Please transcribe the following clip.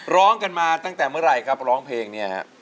ร้องกันมาตั้งแต่เมื่อไหร่ครับร้องเพลงเนี่ยฮะ